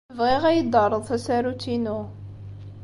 Bɣiɣ ad iyi-d-terreḍ tasarut-inu.